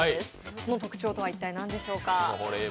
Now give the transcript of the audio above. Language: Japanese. その特徴とは一体何でしょうか？